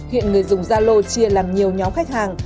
hiện người dùng zalo chia làm nhiều nhóm khách hàng